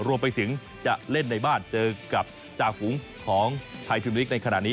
รวมไปถึงจะเล่นในบ้านเจอกับจ่าฝูงของไทยพิมพลิกในขณะนี้